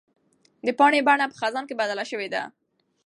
د پاڼې بڼه په خزان کې بدله شوې ده.